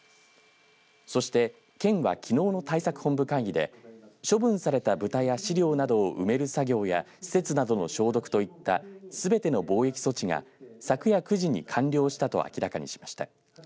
そして県はきのうの対策本部会議で処分された豚や飼料などを埋める作業や施設などの消毒といったすべての防疫措置が昨夜９時に完了したと明らかにしました。